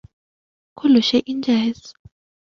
كل شئ جاهز.